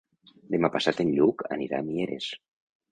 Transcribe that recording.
Demà passat en Lluc anirà a Mieres.